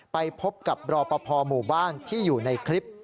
ไปพบกับรอปภหมู่บ้านที่อยู่ในคลิป